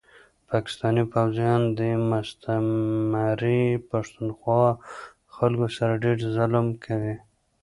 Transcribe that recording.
پاکستاني پوځيان دي مستعمري پښتونخوا خلکو سره ډير ظلم کوي